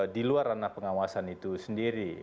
di luar ranah pengawasan itu sendiri